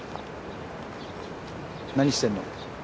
何してんの？